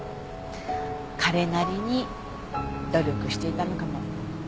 彼なりに努力していたのかも。